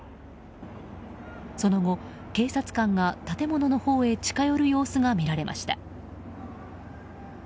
その後、警察官が建物のほうに近寄る様子が見られました。